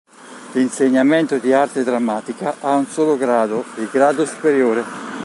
L'insegnamento di Arte drammatica ha un solo grado, il grado superiore.